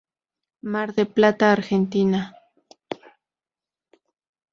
Mar de Plata, Argentina.